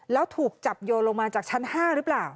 แล้วถูกจับโยนลงมาจากชั้น๕หรือเปล่า